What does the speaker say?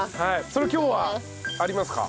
それ今日はありますか？